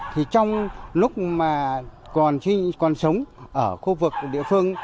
thì trong lúc mà còn sống ở khu vực địa phương